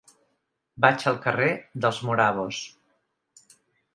Vaig al carrer dels Morabos.